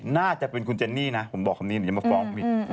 น่าจะเป็นคุณเจนนี่นะผมบอกคำนี้เดี๋ยวจะมาฟ้องอีก